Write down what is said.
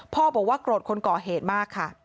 พ่อบอกว่าโกรธคนก่อเหตุมากค่ะ